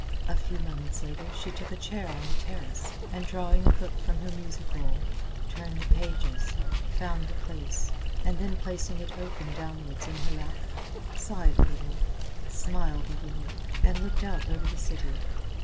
A few moments later she took a chair on the terrace and drawing a book from her music roll, turned the pages, found the place, and then placing it open downwards in her lap, sighed a little, smiled a little, and looked out over the city.